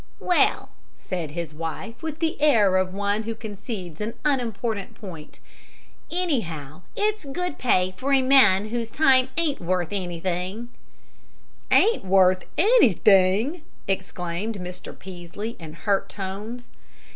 "Well," said his wife, with the air of one who concedes an unimportant point, "anyhow, it's good pay for a man whose time ain't worth anythin'." "Ain't worth anythin'!" exclaimed Mr. Peaslee, in hurt tones.